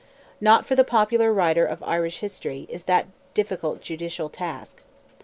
Not for the popular writer of Irish history, is that difficult judicial task.